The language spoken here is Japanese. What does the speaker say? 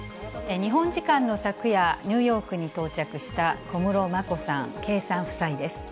日本時間の昨夜、ニューヨークに到着した小室眞子さん、圭さん夫妻です。